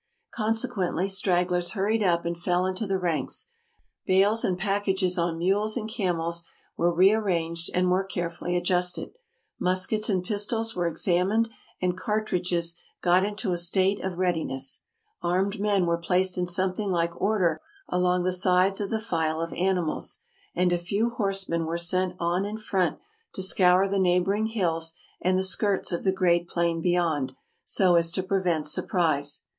Consequently stragglers hurried up and fell into the ranks; bales and packages on mules and camels were re arranged and more carefully adjusted; muskets and pistols were examined and cartridges got into a state of readiness; armed men were placed in something like order along the sides of the file of animals; and a few horsemen were sent on in front, to scour the neighboring hills and the skirts of the great plain beyond, so as to prevent surprise.